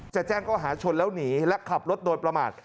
แจ้งข้อหาชนแล้วหนีและขับรถโดยประมาท